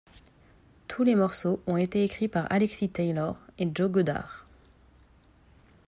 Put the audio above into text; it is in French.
Tous les morceaux ont été écrits par Alexis Taylor et Joe Goddard.